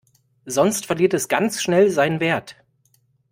Sonst verliert es ganz schnell seinen Wert.